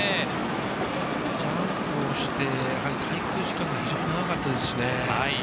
ジャンプをして滞空時間が非常に長かったですしね。